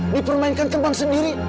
dipermainkan teman sendiri